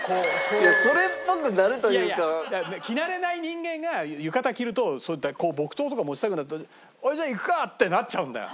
慣れない人間が浴衣着るとそういった木刀とか持ちたくなってほいじゃあ行くかってなっちゃうんだよ。